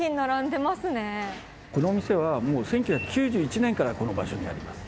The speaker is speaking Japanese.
このお店は、もう１９９１年からこの場所にあります。